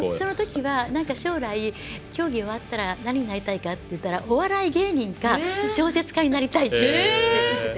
そのときは将来、競技終わったら何になりたいかって聞いたらお笑い芸人か小説家になりたいって言ってて。